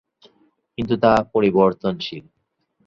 কিন্তু তা পরিবর্তনশীল।